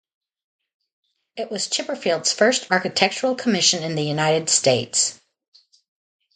It was Chipperfield's first architectural commission in the United States.